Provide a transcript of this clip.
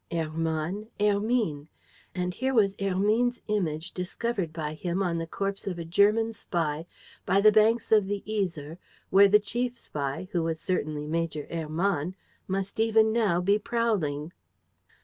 Hermann! Hermine! And here was Hermine's image discovered by him on the corpse of a German spy, by the banks of the Yser, where the chief spy, who was certainly Major Hermann, must even now be prowling.